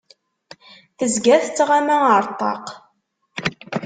Tezga tettɣama ar ṭṭaq.